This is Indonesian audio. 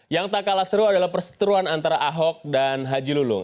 yang tak kalah seru adalah perseteruan antara ahok dan haji lulung